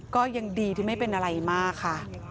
ก็ยังดีที่ไม่เป็นอะไรมากค่ะ